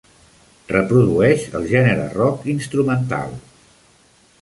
Reprodueix el gènere rock instrumental.